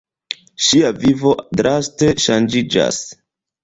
Ŝia vivo draste ŝanĝiĝas.